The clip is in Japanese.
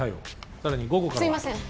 さらに午後からはすいません